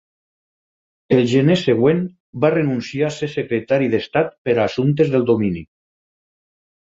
El gener següent, va renunciar a ser secretari d'estat per a assumptes del domini.